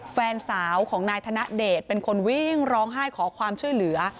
แฟนสาวของนายธนเดชเป็นคนวิ่งร้องไห้ขอความช่วยเหลือ